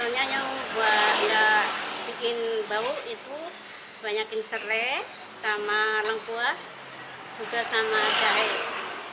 bumbunya yang buat enggak bikin bau itu banyak serai sama lengkuas juga sama daik